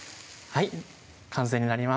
はい